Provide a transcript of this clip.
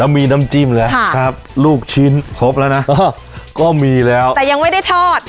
มีน้ำจิ้มแล้วครับลูกชิ้นครบแล้วนะก็มีแล้วแต่ยังไม่ได้ทอด